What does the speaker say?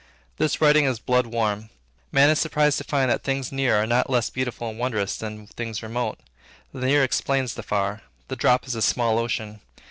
This writing is blood warm. Man is surprised to find that things near are not less beautiful and wondrous than things remote. The near explains the far. The drop is a small ocean.